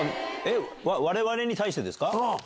我々に対してですか？